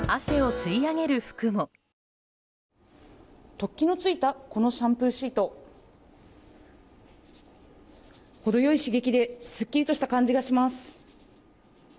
突起のついたこのシャンプーシート程良い刺激ですっきりとした感じがします。